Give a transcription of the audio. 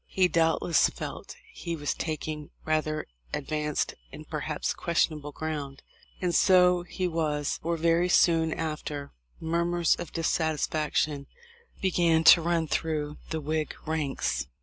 He doubtless felt he was taking rather advanced and perhaps ques tionable ground. And so he was. for very soon after, murmurs of dissatisfaction began to run through the Whig ranks.